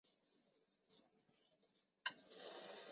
欧阳氏祠堂的历史年代为清代。